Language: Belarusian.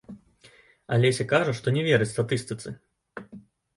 Алеся кажа, што не верыць статыстыцы.